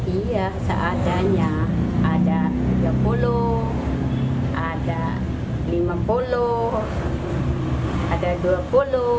iya seadanya ada tiga puluh ada lima puluh ada dua puluh